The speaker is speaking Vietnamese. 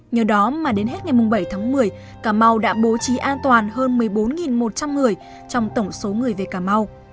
nhờ đó mà đến hết ngày bảy tháng một mươi cà mau đã bố trí an toàn hơn một mươi bốn một trăm linh người trong tổng số người về cà mau